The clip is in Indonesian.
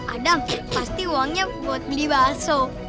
kadang pasti uangnya buat beli bakso